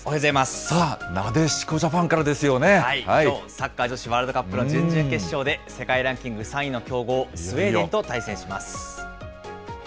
さあ、なでしこジャパンからきょうサッカー女子ワールドカップの準々決勝で、世界ランキング３位の強豪、スウェーデンと対戦します。